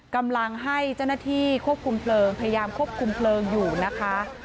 กำลังให้เจ้าหน้าที่ควบคุมเพลิงพยายามควบคุมเพลิงอยู่นะคะ